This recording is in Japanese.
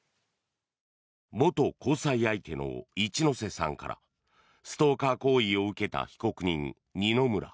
元交際相手の一ノ瀬さんからストーカー行為を受けた被告人二村。